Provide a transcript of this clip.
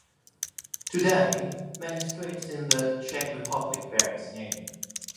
Today, many streets in the Czech Republic bear his name.